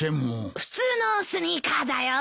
普通のスニーカーだよ。